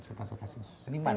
sultan sari hasim seniman